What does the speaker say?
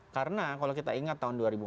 karena kalau kita ingat tahun dua ribu empat belas